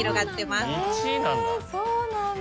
へぇそうなんだ。